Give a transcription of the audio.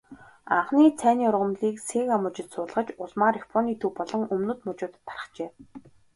Анхны цайны ургамлыг Сига мужид суулгаж, улмаар Японы төв болон өмнөд мужуудад тархжээ.